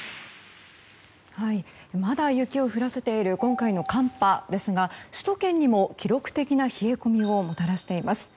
まだ雪を降らせている今回の寒波ですが首都圏にも記録的な冷え込みももたらしています。